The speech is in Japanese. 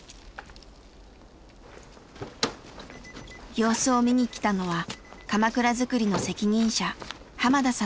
様子を見に来たのはかまくら作りの責任者濱田さんでした。